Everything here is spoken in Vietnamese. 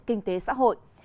kinh tế xã hội